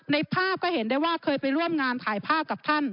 ในภาพก็เห็นได้ว่าเคยไปร่วมงานถ่ายภาพกับท่าน